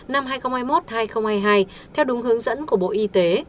năm hai nghìn hai mươi một hai nghìn hai mươi hai theo đúng hướng dẫn của bộ y tế